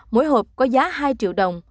mỗi hộp có giá hai triệu đồng